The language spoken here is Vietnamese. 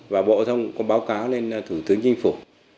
và bộ thông có báo cáo lên thủ tướng chính phủ